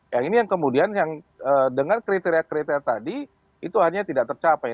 yang ini yang kemudian yang dengan kriteria kriteria tadi itu hanya tidak tercapai